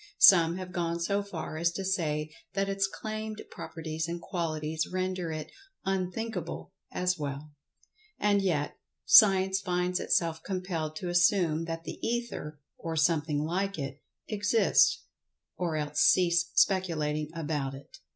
Some have gone so far as to say that its claimed properties and qualities render it "unthinkable" as well. And yet, Science finds itself compelled to assume that the Ether, or "something like it" exists, or else cease speculating about it.